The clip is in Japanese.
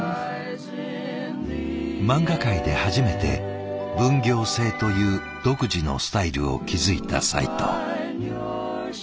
漫画界で初めて分業制という独自のスタイルを築いたさいとう。